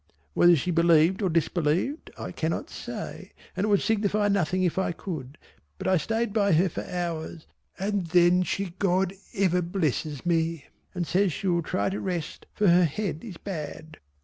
Whether she believed or disbelieved I cannot say and it would signify nothing if I could, but I stayed by her for hours and then she God ever blesses me! and says she will try to rest for her head is bad.